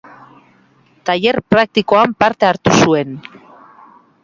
Tailer praktikoan parte hartu zuen.